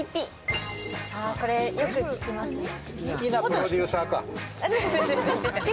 これよく聞きますね。